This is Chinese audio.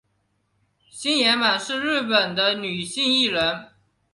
星野满是日本的女性艺人。